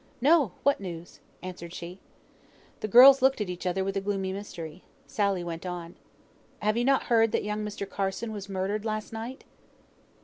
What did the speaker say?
"No! What news?" answered she. The girls looked at each other with gloomy mystery. Sally went on. "Have you not heard that young Mr. Carson was murdered last night?"